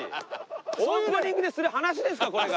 オープニングでする話ですかこれが。